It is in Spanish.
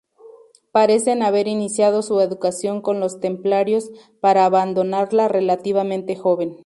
Parece haber iniciado su educación con los Templarios, para abandonarla relativamente joven.